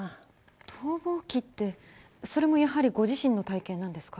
逃亡記ってそれもやはりご自身の体験なんですか？